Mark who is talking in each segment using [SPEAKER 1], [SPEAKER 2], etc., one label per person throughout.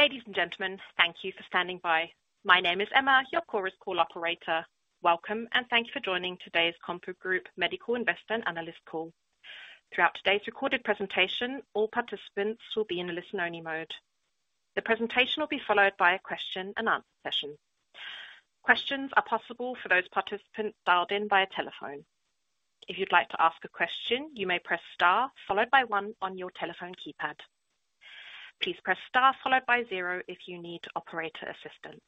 [SPEAKER 1] Ladies and gentlemen, thank you for standing by. My name is Emma, your Chorus call operator. Welcome. Thank you for joining today's CompuGroup Medical Investor and Analyst call. Throughout today's recorded presentation, all participants will be in a listen-only mode. The presentation will be followed by a question and answer session. Questions are possible for those participants dialed in via telephone. If you'd like to ask a question, you may press star followed by one on your telephone keypad. Please press star followed by zero if you need operator assistance.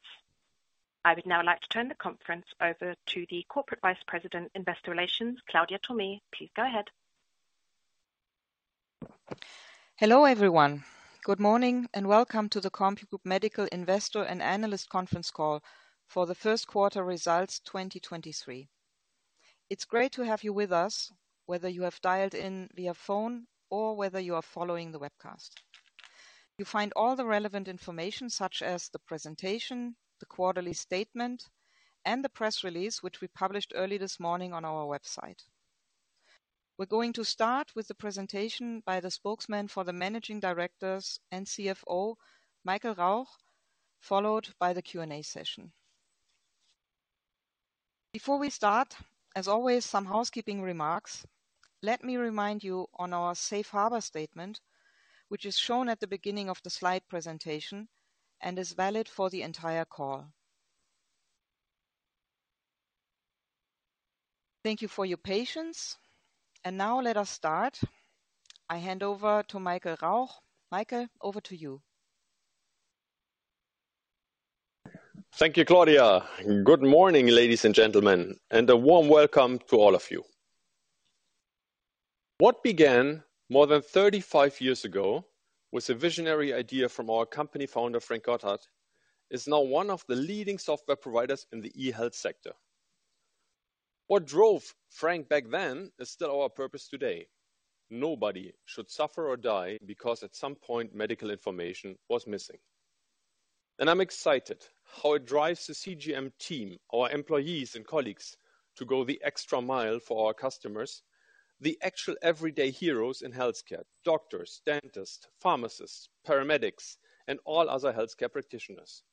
[SPEAKER 1] I would now like to turn the conference over to the Corporate Vice President, Investor Relations, Claudia Thomé. Please go ahead.
[SPEAKER 2] Hello, everyone. Good morning. Welcome to the CompuGroup Medical Investor and Analyst conference call for the first quarter results 2023. It's great to have you with us, whether you have dialed in via phone or whether you are following the webcast. You find all the relevant information such as the presentation, the quarterly statement, and the press release, which we published early this morning on our website. We're going to start with the presentation by the Spokesman for Managing Directors and CFO, Michael Rauch, followed by the Q&A session. Before we start, as always, some housekeeping remarks. Let me remind you on our safe harbor statement, which is shown at the beginning of the slide presentation and is valid for the entire call. Thank you for your patience. Now let us start. I hand over to Michael Rauch. Michael, over to you.
[SPEAKER 3] Thank you, Claudia. Good morning, ladies and gentlemen. A warm welcome to all of you. What began more than 35 years ago was a visionary idea from our company founder, Frank Gotthardt, is now one of the leading software providers in the e-health sector. What drove Frank back then is still our purpose today. Nobody should suffer or die because at some point medical information was missing. I'm excited how it drives the CGM team, our employees and colleagues, to go the extra mile for our customers, the actual everyday heroes in healthcare, doctors, dentists, pharmacists, paramedics, and all other healthcare practitioners.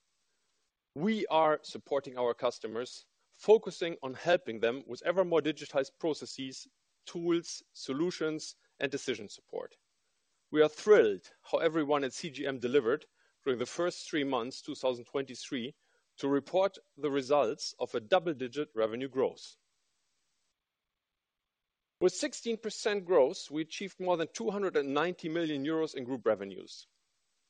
[SPEAKER 3] We are supporting our customers, focusing on helping them with ever more digitized processes, tools, solutions, and decision support. We are thrilled how everyone at CGM delivered during the first three months, 2023, to report the results of a double-digit revenue growth. With 16% growth, we achieved more than 290 million euros in group revenues.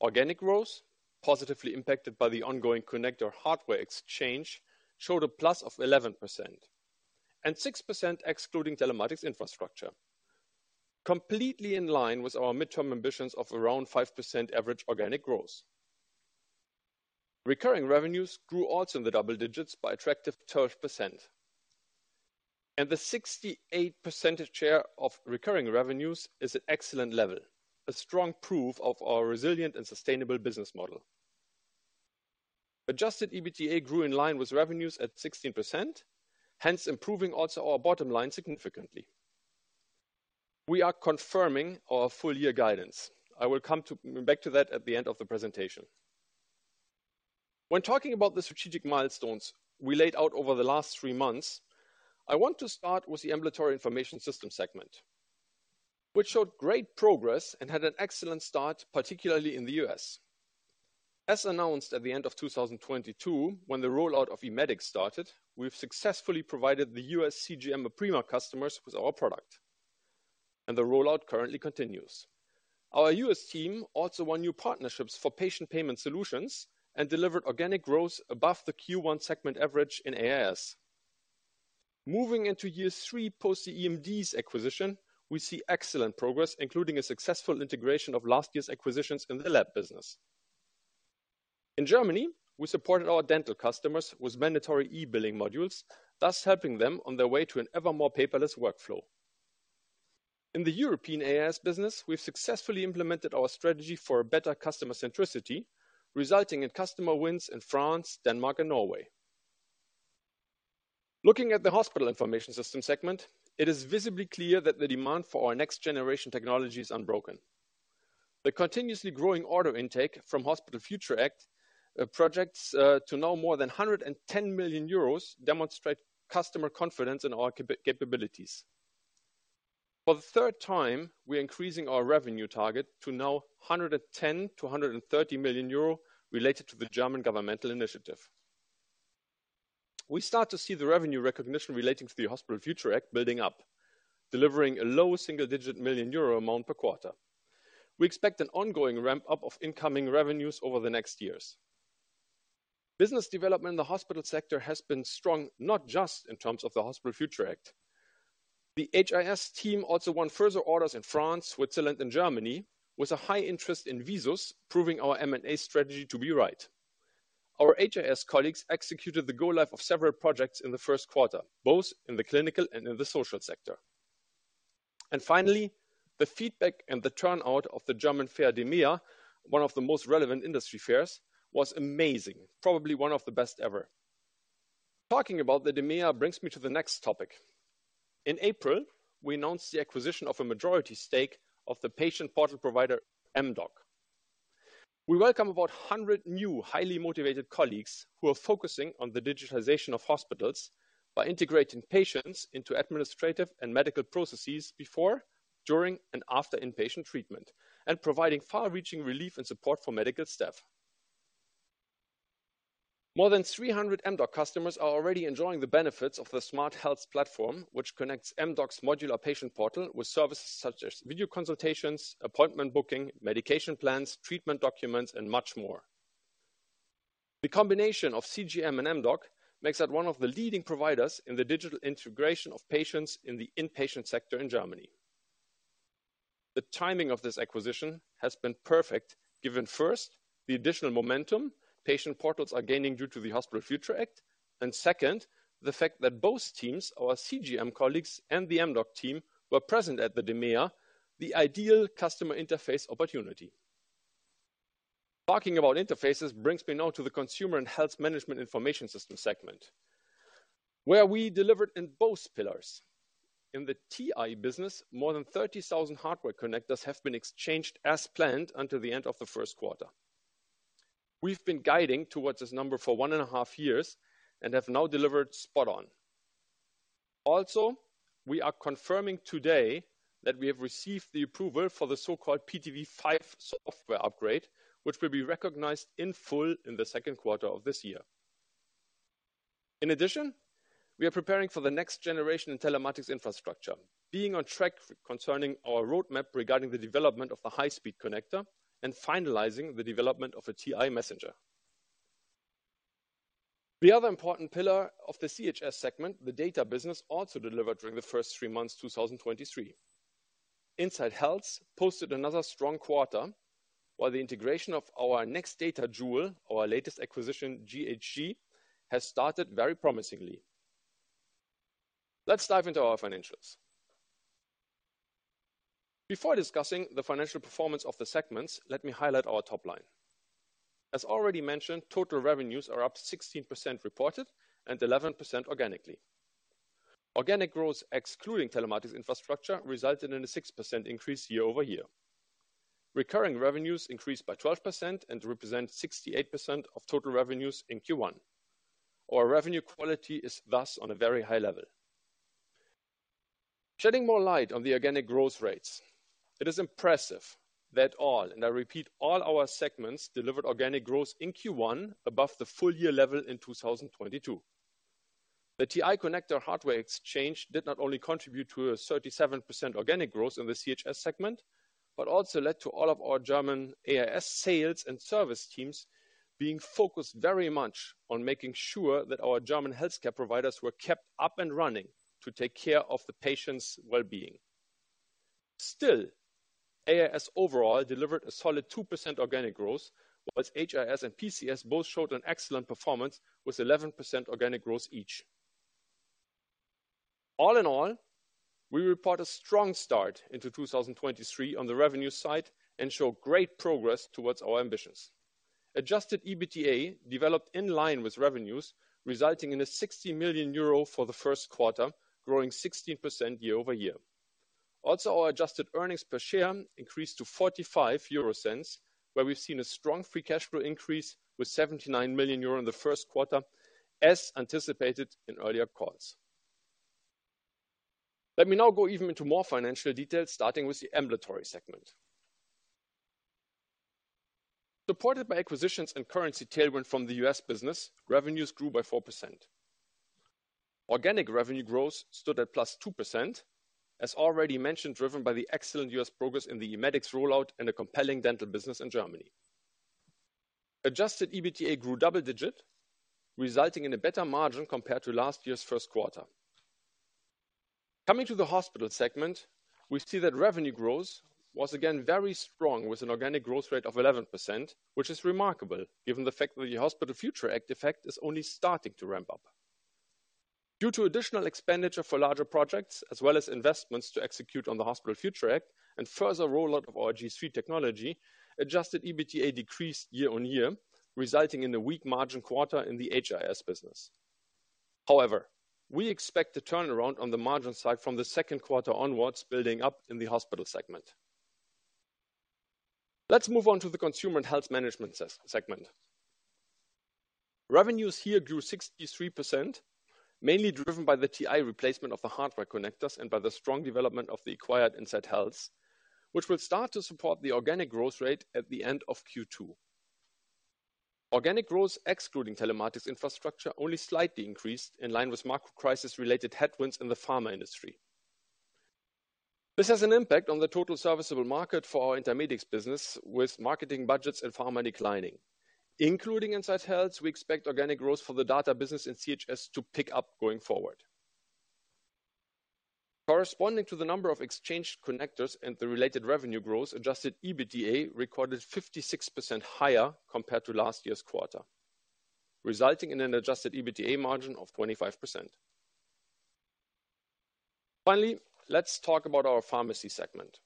[SPEAKER 3] Organic growth, positively impacted by the ongoing connector hardware exchange, showed a +11% and 6% excluding Telematics Infrastructure. Completely in line with our midterm ambitions of around 5% average organic growth. Recurring revenues grew also in the double digits by attractive 12%. The 68% share of recurring revenues is an excellent level, a strong proof of our resilient and sustainable business model. Adjusted EBITDA grew in line with revenues at 16%, hence improving also our bottom line significantly. We are confirming our full year guidance. I will come back to that at the end of the presentation. When talking about the strategic milestones we laid out over the last 3 months, I want to start with the Ambulatory Information Systems segment, which showed great progress and had an excellent start, particularly in the U.S. As announced at the end of 2022, when the rollout of eMEDIX started, we've successfully provided the U.S. CGM APRIMA customers with our product, and the rollout currently continues. Our U.S. team also won new partnerships for patient payment solutions and delivered organic growth above the Q1 segment average in AIS. Moving into year 3 post the eMDs acquisition, we see excellent progress, including a successful integration of last year's acquisitions in the lab business. In Germany, we supported our dental customers with mandatory e-billing modules, thus helping them on their way to an ever more paperless workflow. In the European AIS business, we've successfully implemented our strategy for better customer centricity, resulting in customer wins in France, Denmark, and Norway. Looking at the Hospital Information Systems segment, it is visibly clear that the demand for our next generation technology is unbroken. The continuously growing order intake from Hospital Future Act projects to now more than 110 million euros demonstrate customer confidence in our capabilities. For the third time, we're increasing our revenue target to now 110 million-130 million euro related to the German governmental initiative. We start to see the revenue recognition relating to the Hospital Future Act building up, delivering a low single-digit million EUR amount per quarter. We expect an ongoing ramp-up of incoming revenues over the next years. Business development in the hospital sector has been strong, not just in terms of the Hospital Future Act. The HIS team also won further orders in France, Switzerland, and Germany with a high interest in VISUS, proving our M&A strategy to be right. Our HIS colleagues executed the go live of several projects in the first quarter, both in the clinical and in the social sector. Finally, the feedback and the turnout of the German Fair DMEA, one of the most relevant industry fairs, was amazing, probably one of the best ever. Talking about the DMEA brings me to the next topic. In April, we announced the acquisition of a majority stake of the patient portal provider, m.Doc. We welcome about 100 new highly motivated colleagues who are focusing on the digitization of hospitals by integrating patients into administrative and medical processes before, during, and after inpatient treatment, and providing far-reaching relief and support for medical staff. More than 300 m.Doc customers are already enjoying the benefits of the smart health platform, which connects m.Doc's modular patient portal with services such as video consultations, appointment booking, medication plans, treatment documents, and much more. The combination of CGM and m.Doc makes it one of the leading providers in the digital integration of patients in the inpatient sector in Germany. The timing of this acquisition has been perfect, given, first, the additional momentum patient portals are gaining due to the Hospital Future Act, and second, the fact that both teams, our CGM colleagues and the m.Doc team, were present at the DMEA, the ideal customer interface opportunity. Talking about interfaces brings me now to the Consumer and Health Management Information Systems segment, where we delivered in both pillars. In the TI business, more than 30,000 hardware connectors have been exchanged as planned until the end of the first quarter. We've been guiding towards this number for 1.5 years and have now delivered spot on. Also, we are confirming today that we have received the approval for the so-called PTV5 software upgrade, which will be recognized in full in the second quarter of this year. In addition, we are preparing for the next generation in Telematics Infrastructure, being on track concerning our roadmap regarding the development of the high-speed connector and finalizing the development of a TI-Messenger. The other important pillar of the CHS segment, the data business, also delivered during the first three months, 2023. Inside Health posted another strong quarter, while the integration of our next data jewel, our latest acquisition, GHG, has started very promisingly. Let's dive into our financials. Before discussing the financial performance of the segments, let me highlight our top line. As already mentioned, total revenues are up 16% reported and 11% organically. Organic growth, excluding Telematics Infrastructure, resulted in a 6% increase year-over-year. Recurring revenues increased by 12% and represent 68% of total revenues in Q1. Our revenue quality is thus on a very high level. Shedding more light on the organic growth rates, it is impressive that all, and I repeat, all our segments delivered organic growth in Q1 above the full year level in 2022. The TI connector hardware exchange did not only contribute to a 37% organic growth in the CHS segment, but also led to all of our German AIS sales and service teams being focused very much on making sure that our German healthcare providers were kept up and running to take care of the patients' well-being. AIS overall delivered a solid 2% organic growth, whilst HIS and PCS both showed an excellent performance with 11% organic growth each. We report a strong start into 2023 on the revenue side and show great progress towards our ambitions. Adjusted EBITDA developed in line with revenues, resulting in 60 million euro for the first quarter, growing 16% year-over-year. Our adjusted earnings per share increased to 0.45, where we've seen a strong free cash flow increase with 79 million euro in the first quarter, as anticipated in earlier calls. Let me now go even into more financial details, starting with the Ambulatory segment. Supported by acquisitions and currency tailwind from the U.S. business, revenues grew by 4%. Organic revenue growth stood at +2%, as already mentioned, driven by the excellent U.S. progress in the eMEDIX rollout and a compelling dental business in Germany. Adjusted EBITDA grew double digit, resulting in a better margin compared to last year's first quarter. Coming to the Hospital segment, we see that revenue growth was again very strong with an organic growth rate of 11%, which is remarkable given the fact that the Hospital Future Act effect is only starting to ramp up. Due to additional expenditure for larger projects as well as investments to execute on the Hospital Future Act and further rollout of our G3 technology, adjusted EBITDA decreased year-on-year, resulting in a weak margin quarter in the HIS business. We expect a turnaround on the margin side from the second quarter onwards, building up in the hospital segment. Let's move on to the Consumer & Health Management segment. Revenues here grew 63%, mainly driven by the TI replacement of the hardware connectors and by the strong development of the acquired Inside Health, which will start to support the organic growth rate at the end of Q2. Organic growth, excluding Telematics Infrastructure, only slightly increased in line with macro crisis related headwinds in the pharma industry. This has an impact on the total serviceable market for our Intermedix business with marketing budgets and pharma declining. Including Inside Health, we expect organic growth for the data business in CHS to pick up going forward. Corresponding to the number of exchanged connectors and the related revenue growth, adjusted EBITDA recorded 56% higher compared to last year's quarter, resulting in an adjusted EBITDA margin of 25%. Let's talk about our pharmacy segment.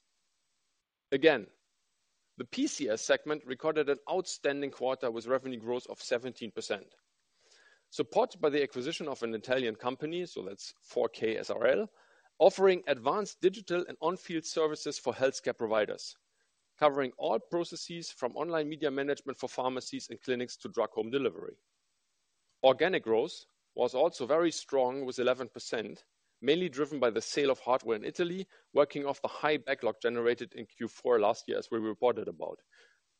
[SPEAKER 3] The PCS segment recorded an outstanding quarter with revenue growth of 17%. Supported by the acquisition of an Italian company, so that's 4K S.r.l., offering advanced digital and on-field services for healthcare providers, covering all processes from online media management for pharmacies and clinics to drug home delivery. Organic growth was also very strong with 11%, mainly driven by the sale of hardware in Italy, working off the high backlog generated in Q4 last year, as we reported about.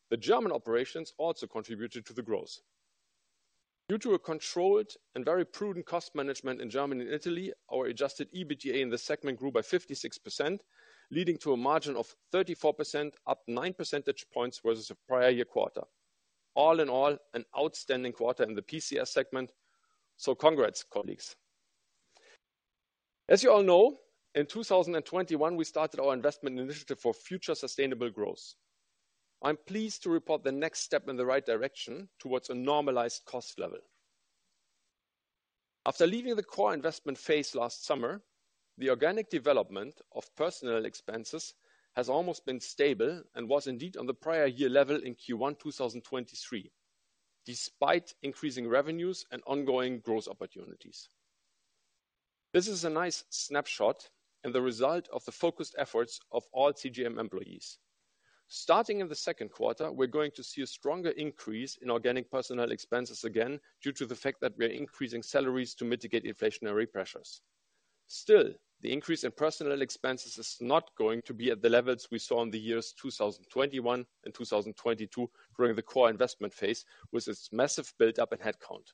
[SPEAKER 3] The German operations also contributed to the growth. Due to a controlled and very prudent cost management in Germany and Italy, our adjusted EBITDA in the segment grew by 56%, leading to a margin of 34%, up 9 percentage points versus the prior year quarter. All in all, an outstanding quarter in the PCS segment. Congrats, colleagues. As you all know, in 2021, we started our investment initiative for future sustainable growth. I'm pleased to report the next step in the right direction towards a normalized cost level. After leaving the core investment phase last summer, the organic development of personnel expenses has almost been stable and was indeed on the prior year level in Q1 2023, despite increasing revenues and ongoing growth opportunities. This is a nice snapshot and the result of the focused efforts of all CGM employees. Starting in the second quarter, we're going to see a stronger increase in organic personnel expenses again due to the fact that we are increasing salaries to mitigate inflationary pressures. Still, the increase in personnel expenses is not going to be at the levels we saw in the years 2021 and 2022 during the core investment phase, with its massive buildup in headcount.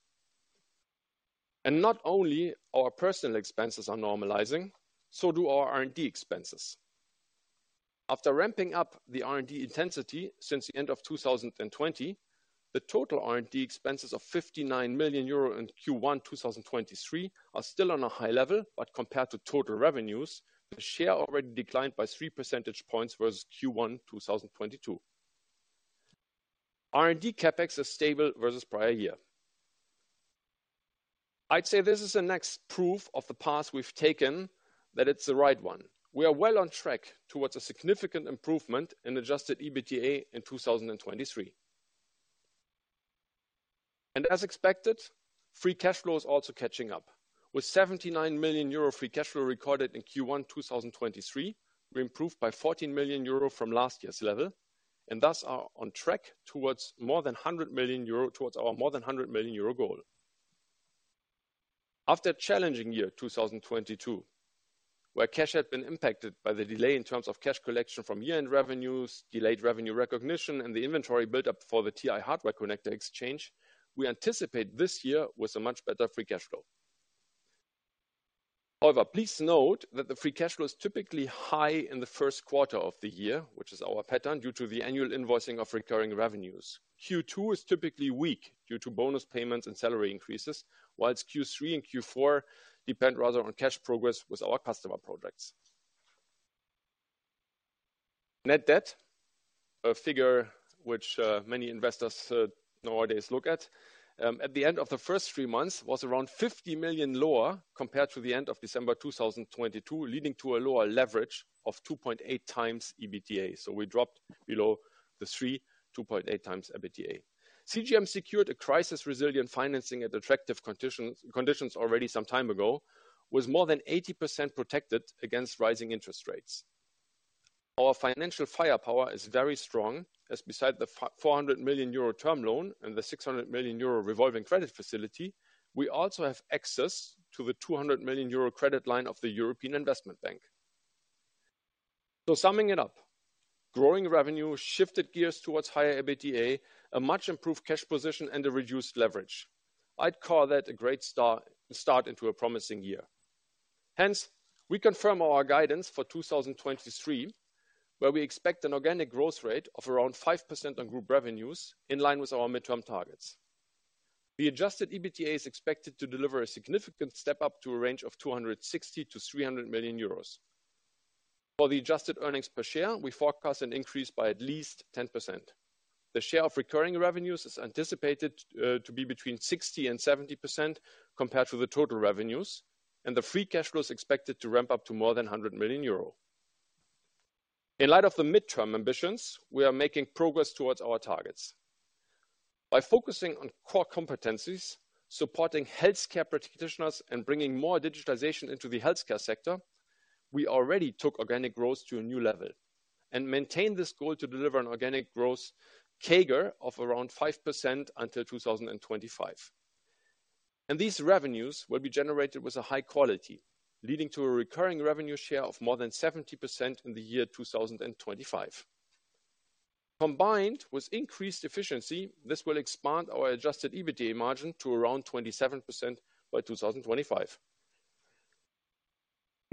[SPEAKER 3] Not only our personal expenses are normalizing, so do our R&D expenses. After ramping up the R&D intensity since the end of 2020, the total R&D expenses of 59 million euro in Q1 2023 are still on a high level, but compared to total revenues, the share already declined by 3 percentage points versus Q1 2022. R&D CapEx is stable versus prior year. I'd say this is the next proof of the path we've taken that it's the right one. We are well on track towards a significant improvement in adjusted EBITDA in 2023. As expected, free cash flow is also catching up. With 79 million euro free cash flow recorded in Q1 2023, we improved by 14 million euro from last year's level and thus are on track towards our more than 100 million euro goal. After a challenging year, 2022, where cash had been impacted by the delay in terms of cash collection from year-end revenues, delayed revenue recognition, and the inventory built up for the TI Hardware Connector exchange, we anticipate this year with a much better free cash flow. Please note that the free cash flow is typically high in the first quarter of the year, which is our pattern due to the annual invoicing of recurring revenues. Q2 is typically weak due to bonus payments and salary increases, whilst Q3 and Q4 depend rather on cash progress with our customer projects. Net debt, a figure which many investors nowadays look at the end of the first 3 months was around 50 million lower compared to the end of December 2022, leading to a lower leverage of 2.8x EBITDA. We dropped below 2.8x EBITDA. CGM secured a crisis-resilient financing at attractive conditions already some time ago, was more than 80% protected against rising interest rates. Our financial firepower is very strong, as beside the 400 million euro term loan and the 600 million euro revolving credit facility, we also have access to the 200 million euro credit line of the European Investment Bank. Summing it up, growing revenue shifted gears towards higher EBITDA, a much improved cash position and a reduced leverage. I'd call that a great start into a promising year. Hence, we confirm our guidance for 2023, where we expect an organic growth rate of around 5% on group revenues in line with our midterm targets. The adjusted EBITDA is expected to deliver a significant step-up to a range of 260 million-300 million euros. For the adjusted earnings per share, we forecast an increase by at least 10%. The share of recurring revenues is anticipated to be between 60% and 70% compared to the total revenues, and the free cash flow is expected to ramp up to more than 100 million euro. In light of the midterm ambitions, we are making progress towards our targets. By focusing on core competencies, supporting healthcare practitioners, and bringing more digitization into the healthcare sector, we already took organic growth to a new level and maintain this goal to deliver an organic growth CAGR of around 5% until 2025. These revenues will be generated with a high quality, leading to a recurring revenue share of more than 70% in the year 2025. Combined with increased efficiency, this will expand our adjusted EBITDA margin to around 27% by 2025.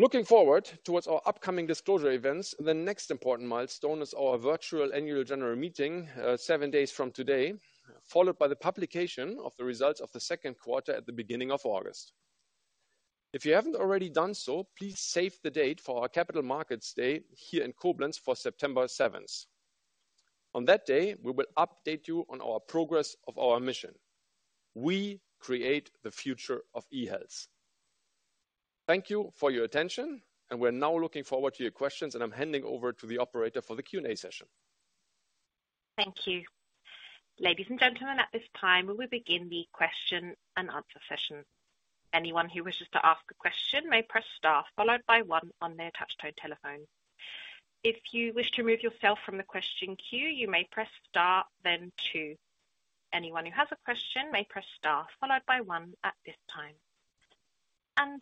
[SPEAKER 3] Looking forward towards our upcoming disclosure events, the next important milestone is our virtual annual general meeting, 7 days from today, followed by the publication of the results of the 2nd quarter at the beginning of August. If you haven't already done so, please save the date for our Capital Markets Day here in Koblenz for September 7th. On that day, we will update you on our progress of our mission. We create the future of eHealth. Thank you for your attention, and we're now looking forward to your questions, and I'm handing over to the operator for the Q&A session.
[SPEAKER 1] Thank you. Ladies and gentlemen, at this time, we will begin the question and answer session. Anyone who wishes to ask a question may press star followed by 1 on their touch tone telephone. If you wish to remove yourself from the question queue, you may press star then 2. Anyone who has a question may press star followed by 1 at this time.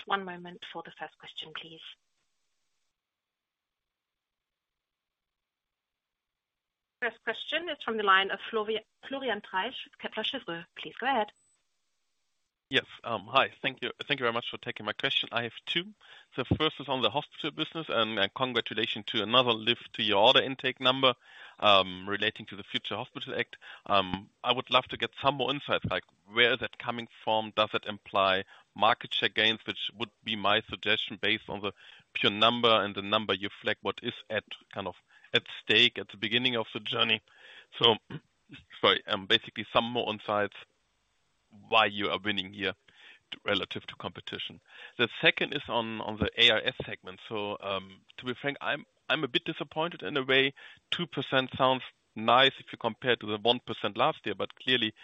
[SPEAKER 1] One moment for the first question, please. First question is from the line of Florian Treisch with Kepler Cheuvreux. Please go ahead.
[SPEAKER 4] Yes. Hi. Thank you very much for taking my question. I have two. First is on the hospital business and congratulations to another lift to your order intake number, relating to the Hospital Future Act. I would love to get some more insights, like where is that coming from? Does it imply market share gains? Which would be my suggestion based on the pure number and the number you flag what is at, kind of, at stake at the beginning of the journey. Sorry, basically some more insights why you are winning here relative to competition. The second is on the AIS segment. To be frank, I'm a bit disappointed in a way. 2% sounds nice if you compare to the 1% last year, but clearly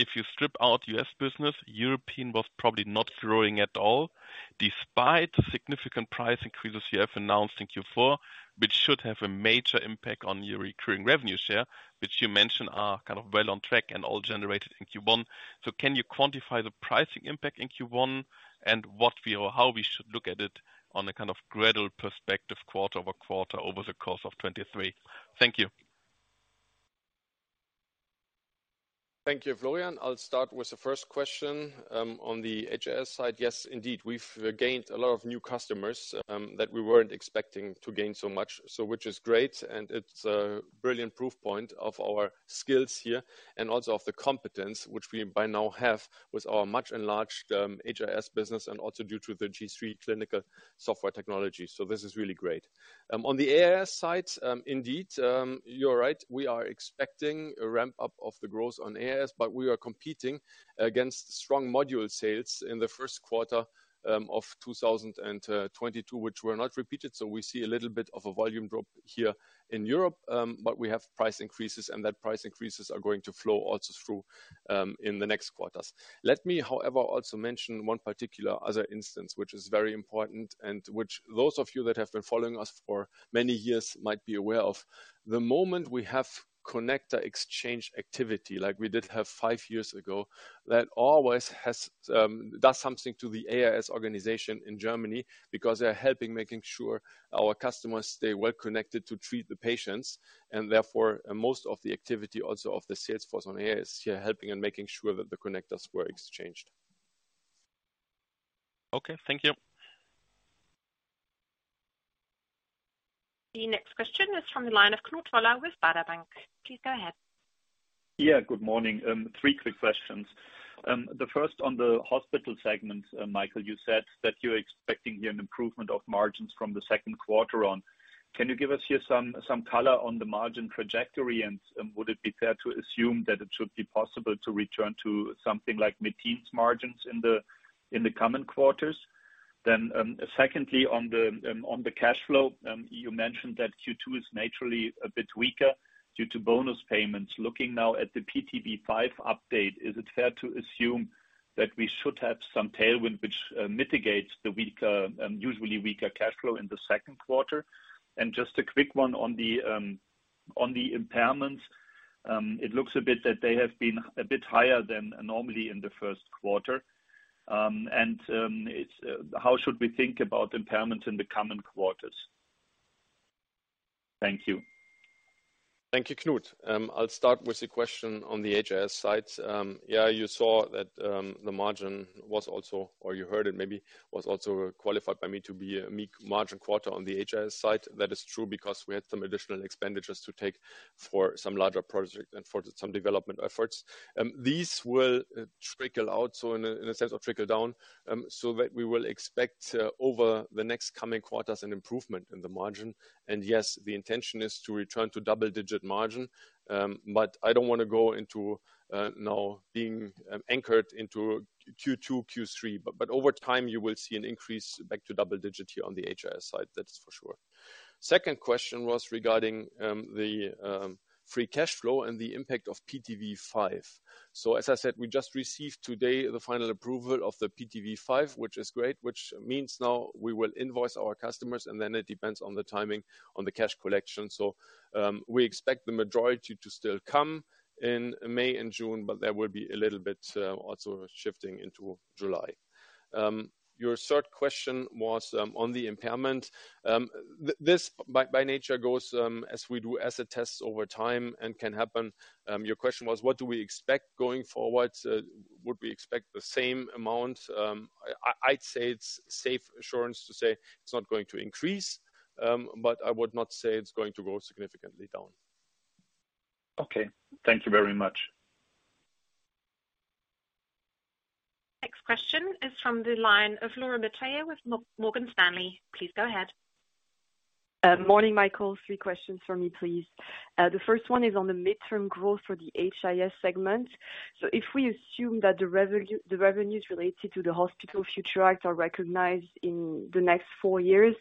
[SPEAKER 4] if you strip out U.S. business, European was probably not growing at all despite the significant price increases you have announced in Q4, which should have a major impact on your recurring revenue share, which you mentioned are kind of well on track and all generated in Q1. Can you quantify the pricing impact in Q1 and what we or how we should look at it on a kind of gradual perspective quarter-over-quarter over the course of 2023? Thank you.
[SPEAKER 3] Thank you, Florian. I'll start with the first question on the HIS side. Yes, indeed. We've gained a lot of new customers that we weren't expecting to gain so much. Which is great, and it's a brilliant proof point of our skills here and also of the competence which we by now have with our much enlarged HIS business and also due to the G3 clinical software technology. This is really great. On the AIS side, indeed, you are right, we are expecting a ramp up of the growth on AIS, but we are competing against strong module sales in the first quarter of 2022, which were not repeated. We see a little bit of a volume drop here in Europe. We have price increases, and that price increases are going to flow also through in the next quarters. Let me, however, also mention one particular other instance, which is very important and which those of you that have been following us for many years might be aware of. The moment we have connector exchange activity like we did have 5 years ago, that always has does something to the AIS organization in Germany because they're helping making sure our customers stay well connected to treat the patients and therefore most of the activity also of the sales force on AIS here helping and making sure that the connectors were exchanged.
[SPEAKER 5] Okay. Thank you.
[SPEAKER 1] The next question is from the line of Knut Woller with Baader Bank. Please go ahead.
[SPEAKER 6] Yeah, good morning. 3 quick questions. The first on the hospital segment. Michael, you said that you're expecting here an improvement of margins from the second quarter on. Can you give us here some color on the margin trajectory? Would it be fair to assume that it should be possible to return to something like mid-teens margins in the coming quarters? Secondly, on the cash flow, you mentioned that Q2 is naturally a bit weaker due to bonus payments. Looking now at the PTV5 update, is it fair to assume that we should have some tailwind which mitigates the weaker, usually weaker cash flow in the second quarter? Just a quick one on the impairments. It looks a bit that they have been a bit higher than normally in the first quarter. It's, how should we think about impairments in the coming quarters? Thank you.
[SPEAKER 3] Thank you, Knut. I'll start with the question on the HIS side. You saw that, the margin was also or you heard it maybe was also qualified by me to be a meek margin quarter on the HIS side. That is true because we had some additional expenditures to take for some larger projects and for some development efforts. These will trickle out, so in a, in a sense or trickle down, so that we will expect over the next coming quarters an improvement in the margin. Yes, the intention is to return to double-digit margin, but I don't wanna go into now being anchored into Q2, Q3. Over time you will see an increase back to double digit here on the HIS side, that's for sure. Second question was regarding the free cash flow and the impact of PTV5. As I said, we just received today the final approval of the PTV5, which is great, which means now we will invoice our customers and then it depends on the timing on the cash collection. We expect the majority to still come in May and June, but there will be a little bit also shifting into July. Your third question was on the impairment. This by nature goes as we do asset tests over time and can happen. Your question was what do we expect going forward? Would we expect the same amount? I'd say it's safe assurance to say it's not going to increase, but I would not say it's going to go significantly down.
[SPEAKER 6] Okay. Thank you very much.
[SPEAKER 1] Question is from the line of Laura Metayer with Morgan Stanley. Please go ahead.
[SPEAKER 7] Morning, Michael. Three questions for me, please. The first one is on the midterm growth for the HIS segment. If we assume that the revenues related to the Hospital Future Act are recognized in the next four years,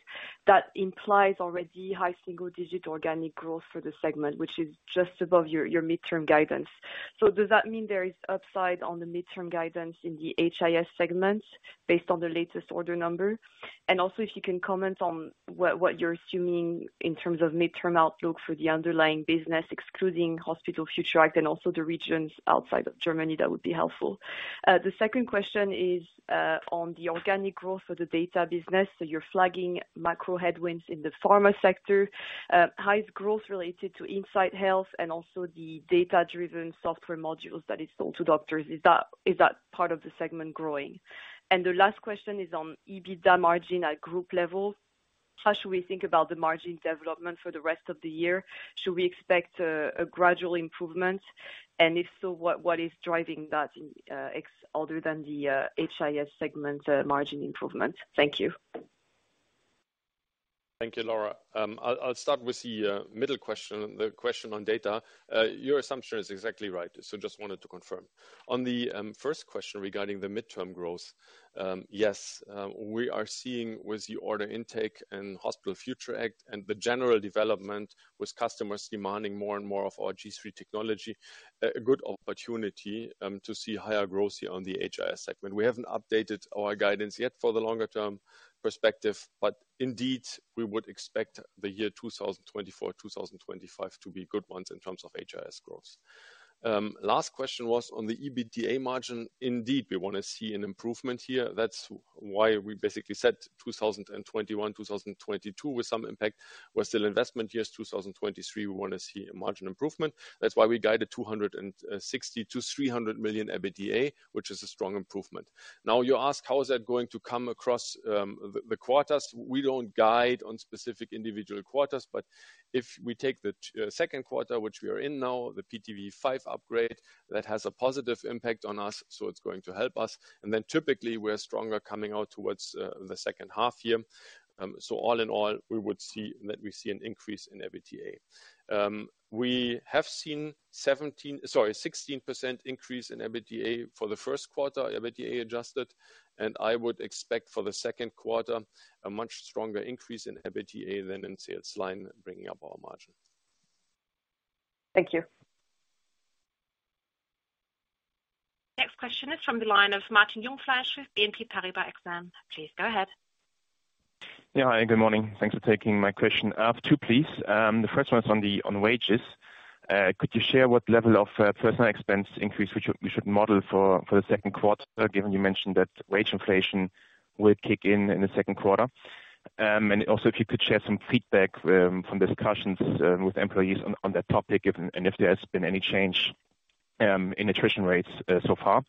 [SPEAKER 7] that implies already high single-digit organic growth for the segment, which is just above your midterm guidance. Does that mean there is upside on the midterm guidance in the HIS segment based on the latest order number? Also, if you can comment on what you're assuming in terms of midterm outlook for the underlying business excluding Hospital Future Act and also the regions outside of Germany, that would be helpful. The second question is on the organic growth for the data business. You're flagging macro headwinds in the pharma sector. How is growth related to Inside Health and also the data-driven software modules that is sold to doctors? Is that part of the segment growing? The last question is on EBITDA margin at group level. How should we think about the margin development for the rest of the year? Should we expect a gradual improvement? If so, what is driving that other than the HIS segment margin improvement? Thank you.
[SPEAKER 3] Thank you, Laura. I'll start with the middle question, the question on data. Your assumption is exactly right, so just wanted to confirm. On the first question regarding the midterm growth, yes, we are seeing with the order intake and Hospital Future Act and the general development with customers demanding more and more of our CGM LIFE technology, a good opportunity to see higher growth here on the HIS segment. We haven't updated our guidance yet for the longer term perspective, but indeed, we would expect the year 2024, 2025 to be good ones in terms of HIS growth. Last question was on the EBITDA margin. Indeed, we wanna see an improvement here. That's why we basically said 2021, 2022 with some impact were still investment years. 2023, we wanna see a margin improvement. That's why we guided 260 million-300 million EBITDA, which is a strong improvement. You ask how is that going to come across the quarters. We don't guide on specific individual quarters, but if we take the second quarter, which we are in now, the PTV5 upgrade, that has a positive impact on us, so it's going to help us. Typically, we're stronger coming out towards the second half year. All in all, we see an increase in EBITDA. We have seen 16% increase in EBITDA for the first quarter, EBITDA adjusted, and I would expect for the second quarter a much stronger increase in EBITDA than in sales line, bringing up our margin.
[SPEAKER 7] Thank you.
[SPEAKER 1] Next question is from the line of Martin Jungfleisch with BNP Paribas Exane. Please go ahead.
[SPEAKER 8] Yeah. Hi, good morning. Thanks for taking my question. I have 2, please. The first one is on the, on wages. Could you share what level of personal expense increase we should model for the second quarter, given you mentioned that wage inflation will kick in in the second quarter? Also if you could share some feedback from discussions with employees on that topic if, and if there's been any change in attrition rates so far.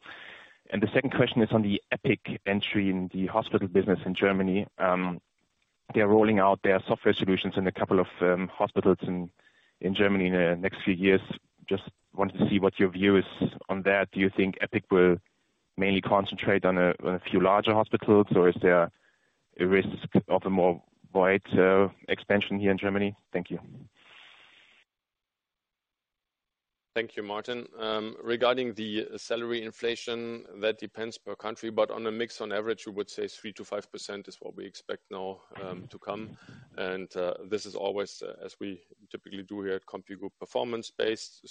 [SPEAKER 8] The second question is on the Epic entry in the hospital business in Germany. They're rolling out their software solutions in a couple of hospitals in Germany in the next few years. Just wanted to see what your view is on that. Do you think Epic will mainly concentrate on a few larger hospitals, or is there a risk of a more wide expansion here in Germany? Thank you.
[SPEAKER 3] Thank you, Martin. Regarding the salary inflation, that depends per country, but on a mix on average, we would say 3%-5% is what we expect now to come. This is always as we typically do here at CompuGroup, performance based.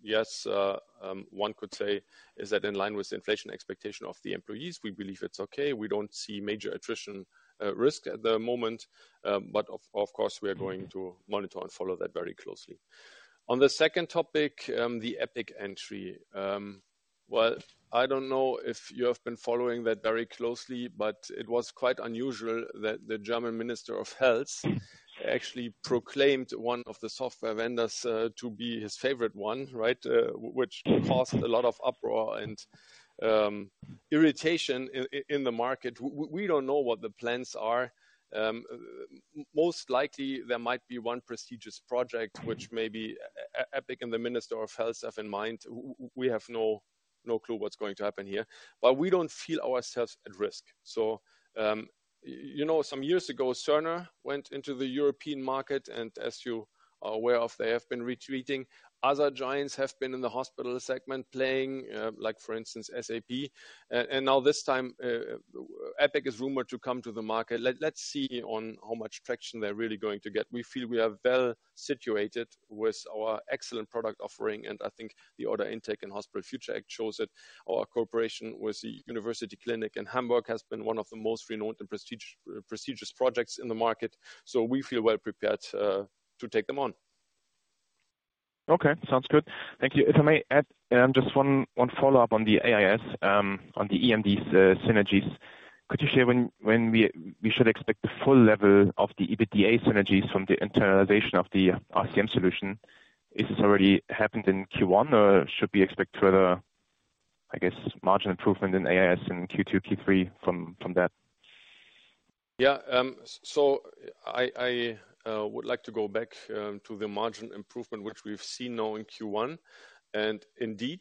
[SPEAKER 3] Yes, one could say is that in line with the inflation expectation of the employees, we believe it's okay. We don't see major attrition risk at the moment, of course, we are going to monitor and follow that very closely. On the second topic, the Epic entry. Well, I don't know if you have been following that very closely, it was quite unusual that the German Minister of Health actually proclaimed one of the software vendors to be his favorite one, right? Which caused a lot of uproar and irritation in the market. We don't know what the plans are. Most likely there might be one prestigious project which maybe Epic and the Minister of Health have in mind. We have no clue what's going to happen here. We don't feel ourselves at risk. You know, some years ago, Cerner went into the European market, and as you are aware of, they have been retreating. Other giants have been in the hospital segment playing, like for instance, SAP. Now this time, Epic is rumored to come to the market. Let's see on how much traction they're really going to get. We feel we are well situated with our excellent product offering, and I think the order intake and Hospital Future Act shows that our cooperation with the university clinic in Hamburg has been one of the most renowned and prestigious projects in the market. We feel well prepared to take them on.
[SPEAKER 8] Okay. Sounds good. Thank you. If I may add, just one follow-up on the AIS, on the eMDs synergies. Could you share when we should expect the full level of the EBITDA synergies from the internalization of the RCM solution? Is this already happened in Q1, or should we expect further, I guess, margin improvement in AIS in Q2, Q3 from that?
[SPEAKER 3] Yeah. I would like to go back to the margin improvement which we've seen now in Q1. Indeed,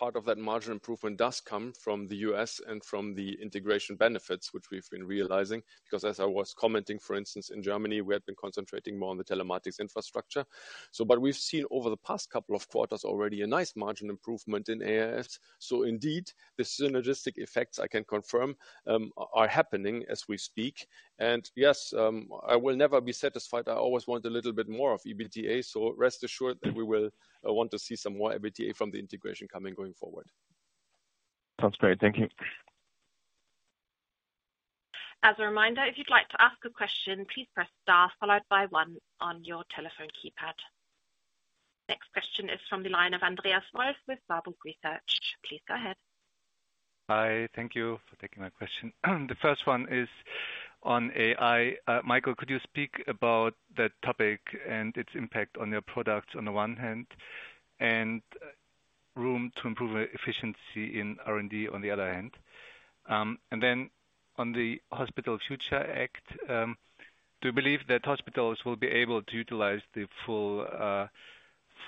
[SPEAKER 3] part of that margin improvement does come from the US and from the integration benefits which we've been realizing. Because as I was commenting, for instance, in Germany, we had been concentrating more on the Telematics Infrastructure. But we've seen over the past couple of quarters already a nice margin improvement in AIS. Indeed, the synergistic effects I can confirm are happening as we speak. Yes, I will never be satisfied. I always want a little bit more of EBITDA. Rest assured that we will want to see some more EBITDA from the integration coming going forward.
[SPEAKER 2] Sounds great. Thank you.
[SPEAKER 1] As a reminder, if you'd like to ask a question, please press star followed by one on your telephone keypad. Next question is from the line of Andreas Moiss with Berenberg. Please go ahead.
[SPEAKER 9] Hi. Thank you for taking my question. The first one is on AI. Michael, could you speak about that topic and its impact on your products on the one hand, and room to improve efficiency in R&D on the other hand? On the Hospital Future Act, do you believe that hospitals will be able to utilize the full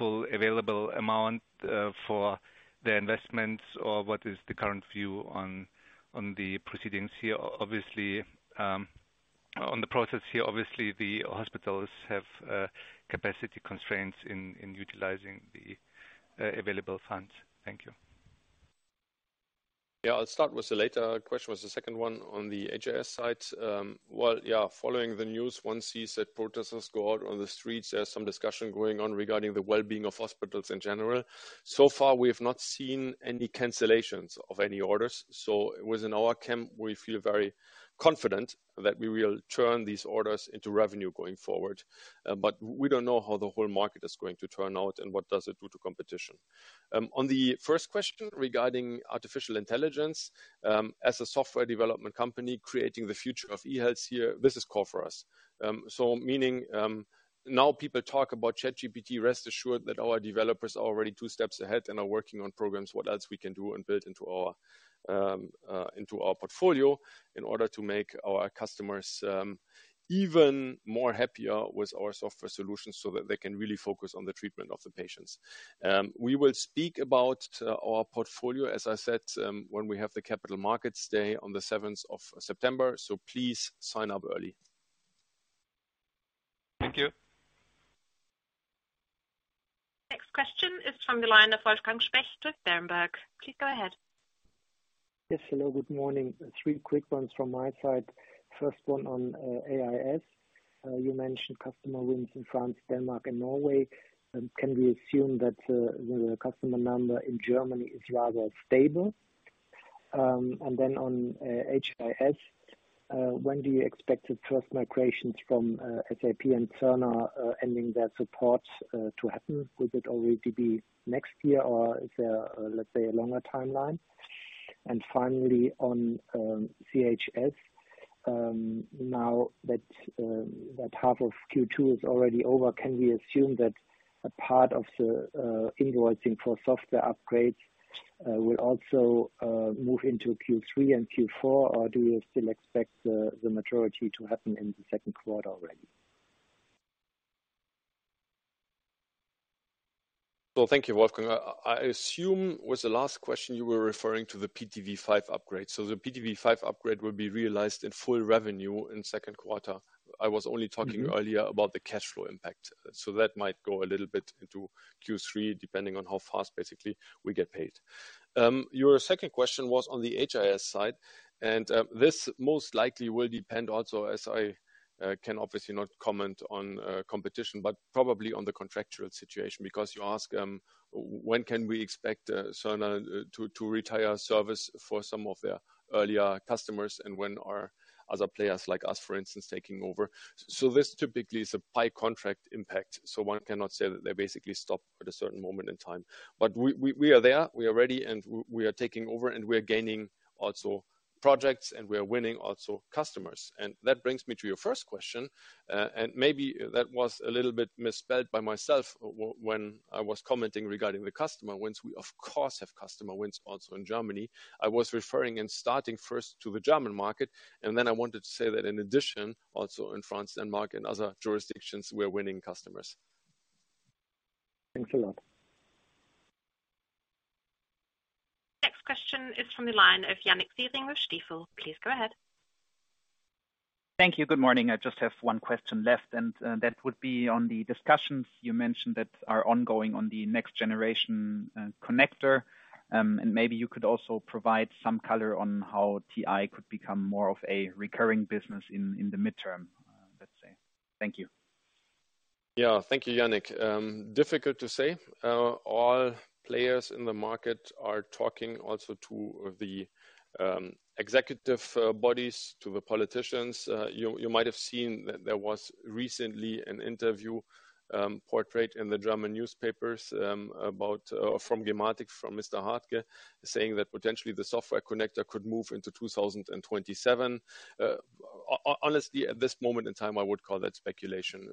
[SPEAKER 9] available amount for their investments? Or what is the current view on the proceedings here? Obviously, on the process here, obviously the hospitals have capacity constraints in utilizing the available funds. Thank you.
[SPEAKER 3] Yeah. I'll start with the later question, was the second one on the HIS site. Well, yeah, following the news, one sees that protesters go out on the streets. There's some discussion going on regarding the well-being of hospitals in general. Far we have not seen any cancellations of any orders, within our camp we feel very confident that we will turn these orders into revenue going forward. We don't know how the whole market is going to turn out and what does it do to competition. On the first question regarding artificial intelligence, as a software development company creating the future of eHealth here, this is core for us. Meaning, now people talk about ChatGPT, rest assured that our developers are already two steps ahead and are working on programs, what else we can do and build into our portfolio in order to make our customers even more happier with our software solutions, so that they can really focus on the treatment of the patients. We will speak about our portfolio, as I said, when we have the capital markets day on the 7th of September, so please sign up early.
[SPEAKER 9] Thank you.
[SPEAKER 1] Next question is from the line of Wolfgang Specht with Berenberg. Please go ahead.
[SPEAKER 10] Yes. Hello, good morning. 3 quick ones from my side. First one on AIS. You mentioned customer wins in France, Denmark and Norway. Can we assume that the customer number in Germany is rather stable? On HIS, when do you expect the trust migrations from SAP and Cerner ending their support to happen? Will it already be next year or is there, let's say, a longer timeline? Finally, on CHS, now that half of Q2 is already over, can we assume that a part of the invoicing for software upgrades will also move into Q3 and Q4? Do you still expect the majority to happen in the second quarter already?
[SPEAKER 3] Well, thank you, Wolfgang. I assume with the last question you were referring to the PTV5 upgrade. The PTV5 upgrade will be realized in full revenue in second quarter. I was only talking earlier about the cash flow impact, that might go a little bit into Q three, depending on how fast basically we get paid. Your second question was on the HIS side, this most likely will depend also as I can obviously not comment on competition, but probably on the contractual situation. You ask when can we expect Cerner to retire service for some of their earlier customers and when are other players like us, for instance, taking over? This typically is a by contract impact, so one cannot say that they basically stop at a certain moment in time. We are there, we are ready, and we are taking over, and we are gaining also projects, and we are winning also customers. That brings me to your first question, and maybe that was a little bit misspelled by myself when I was commenting regarding the customer wins. We of course have customer wins also in Germany. I was referring and starting first to the German market, and then I wanted to say that in addition, also in France, Denmark, and other jurisdictions, we are winning customers.
[SPEAKER 10] Thanks a lot.
[SPEAKER 1] Next question is from the line of Yannik Siering with Stifel. Please go ahead.
[SPEAKER 11] Thank you. Good morning. I just have one question left. That would be on the discussions you mentioned that are ongoing on the next generation connector. Maybe you could also provide some color on how TI could become more of a recurring business in the midterm, let's say. Thank you.
[SPEAKER 3] Yeah. Thank you, Yannik. Difficult to say. All players in the market are talking also to the executive bodies, to the politicians. You might have seen that there was recently an interview portrayed in the German newspapers about from gematik, from Mr. Hartge, saying that potentially the software connector could move into 2027. Honestly, at this moment in time, I would call that speculation.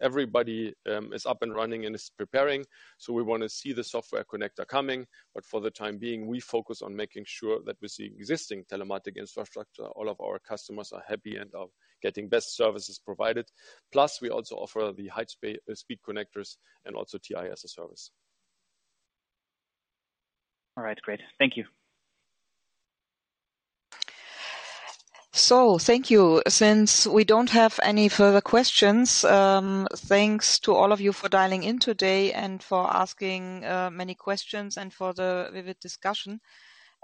[SPEAKER 3] Everybody is up and running and is preparing. We wanna see the software connector coming, but for the time being we focus on making sure that with the existing Telematics Infrastructure, all of our customers are happy and are getting best services provided. Plus we also offer the high-speed connectors and also TI as a service.
[SPEAKER 11] All right, great. Thank you.
[SPEAKER 2] Thank you. Since we don't have any further questions, thanks to all of you for dialing in today and for asking many questions and for the vivid discussion.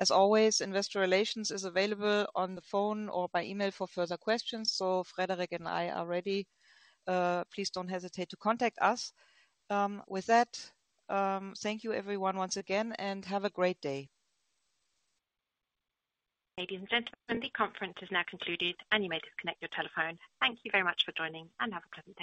[SPEAKER 2] As always, investor relations is available on the phone or by email for further questions. Frederick and I are ready. Please don't hesitate to contact us. With that, thank you everyone once again and have a great day.
[SPEAKER 1] Ladies and gentlemen, the conference is now concluded and you may disconnect your telephone. Thank you very much for joining and have a pleasant day.